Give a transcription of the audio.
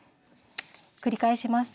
繰り返します。